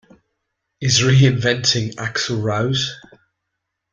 Is Reinventing Axl Rose.